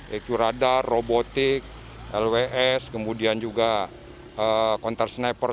yaitu radar robotik lws kemudian juga counter sniper